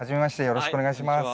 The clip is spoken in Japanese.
よろしくお願いします。